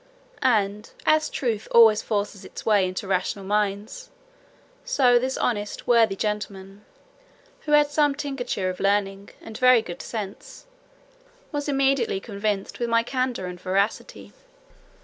And, as truth always forces its way into rational minds, so this honest worthy gentleman, who had some tincture of learning, and very good sense, was immediately convinced of my candour and veracity.